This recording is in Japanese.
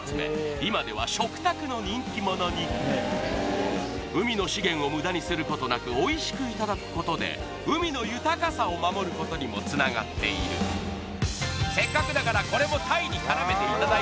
今では食卓の人気者に海の資源を無駄にすることなくおいしくいただくことで海の豊かさを守ることにもつながっているせっかくだからこれも鯛に絡めていただい